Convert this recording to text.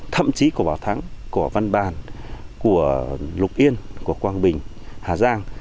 thậm chí của bảo thắng của văn bàn của lục yên của quang bình hà giang